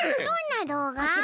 どんな動画？